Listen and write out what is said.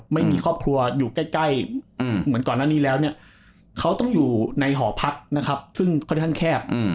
ไม่มีครอบครัวอยู่ใกล้เหมือนก่อนหน้านี้แล้วเนี่ยเขาต้องอยู่ในหอพักนะครับซึ่งค่อนข้างแคบ